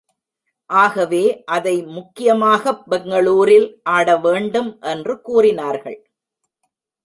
ஆகவே அதை முக்கியமாகப் பெங்களூரில் ஆடவேண்டும் என்று கூறினார்கள்.